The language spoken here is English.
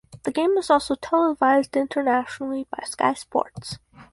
The game was also televised internationally by Sky Sports.